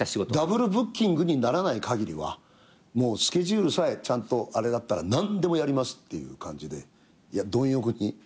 ダブルブッキングにならない限りはスケジュールさえちゃんとあれだったら何でもやりますっていう感じで貪欲に。